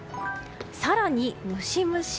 更にムシムシ。